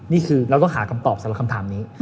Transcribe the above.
นี่คือเราต้องหาคำตอบสำหรับคำถามนี้